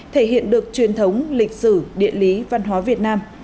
thể hiện được truyền thống lịch sử địa lý văn hóa việt nam